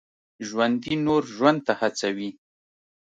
ژوندي نور ژوند ته هڅوي